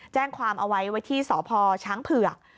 แจ้งความเอาไว้ไว้ที่สพช้างเผือก